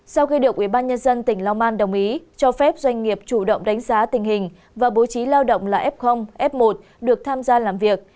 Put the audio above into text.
sau khi được ubnd tỉnh long an đồng ý cho phép doanh nghiệp chủ động đánh giá tình hình và bố trí lao động là f f một được tham gia làm việc